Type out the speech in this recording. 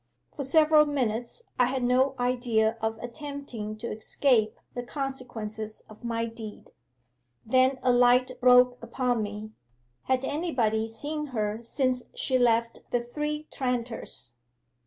For several minutes I had no idea of attempting to escape the consequences of my deed. Then a light broke upon me. Had anybody seen her since she left the Three Tranters?